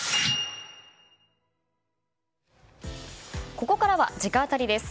ここからは直アタリです。